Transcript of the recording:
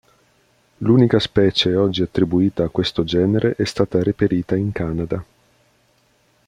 L'unica specie oggi attribuita a questo genere è stata reperita in Canada.